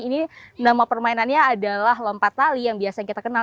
ini nama permainannya adalah lompat tali yang biasa kita kenal